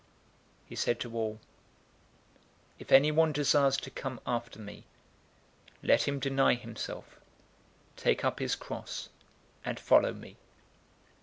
009:023 He said to all, "If anyone desires to come after me, let him deny himself, take up his cross,{TR, NU add "daily"} and follow me.